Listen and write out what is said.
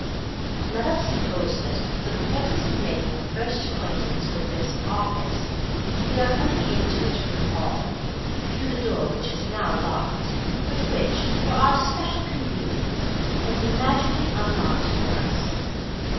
Let us suppose that, for the purpose of making a first acquaintance with this "office," we are coming into it from the hall, through the door which is now locked, but which, for our special convenience, has been magically unlocked for us.